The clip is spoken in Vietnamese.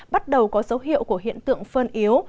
bắt đầu có dấu hiệu của hiện tượng phân yếu